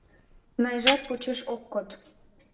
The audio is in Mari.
Найжат почеш ок код.